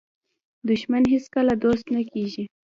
دښمن هیڅکله دوست نه کېږي